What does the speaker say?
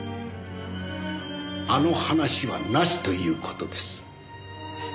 あの話はなしという事です。